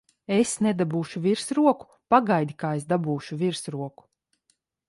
Es nedabūšu virsroku! Pagaidi, kā es dabūšu virsroku!